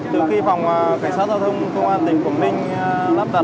từ khi phòng cảnh sát giao thông công an tỉnh quảng ninh lắp đặt